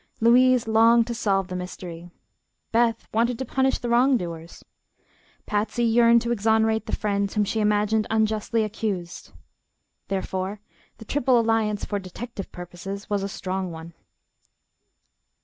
Louise longed to solve the mystery. Beth wanted to punish the wrongdoers. Patsy yearned to exonerate the friends whom she imagined unjustly accused. Therefore the triple alliance for detective purposes was a strong one.